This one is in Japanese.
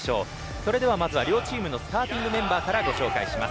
それでは、まず両チームのスターティングメンバーからご紹介します。